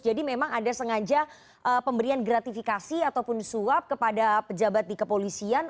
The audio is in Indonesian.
jadi memang ada sengaja pemberian gratifikasi ataupun suap kepada pejabat di kepolisian